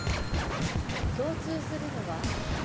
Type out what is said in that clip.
共通するのは？